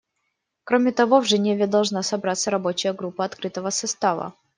Кроме того, в Женеве должна собраться рабочая группа открытого состава.